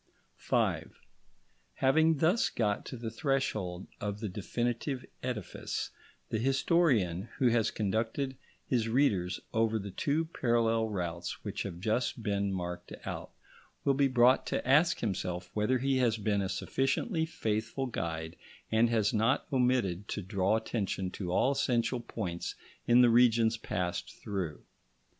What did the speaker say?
§ 5 Having thus got to the threshold of the definitive edifice, the historian, who has conducted his readers over the two parallel routes which have just been marked out, will be brought to ask himself whether he has been a sufficiently faithful guide and has not omitted to draw attention to all essential points in the regions passed through.